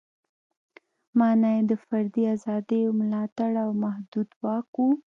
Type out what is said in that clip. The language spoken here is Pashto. معنا یې د فردي ازادیو ملاتړ او محدود واک و.